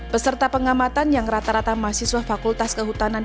peserta pengamatan yang rata rata mahasiswa fakultas kehutanan